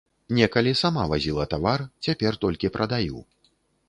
Некалі сама вазіла тавар, цяпер толькі прадаю.